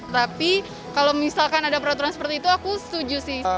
tapi kalau misalkan ada peraturan seperti itu aku setuju sih